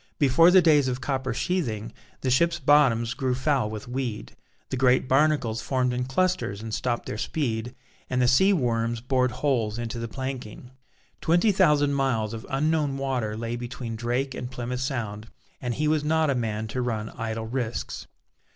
Before the days of copper sheathing, the ships' bottoms grew foul with weed; the great barnacles formed in clusters and stopped their speed, and the sea worms bored holes into the planking. Twenty thousand miles of unknown water lay between Drake and Plymouth Sound, and he was not a man to run idle risks.